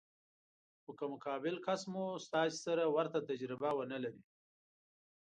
خو که مقابل کس مو تاسې سره ورته تجربه ونه لري.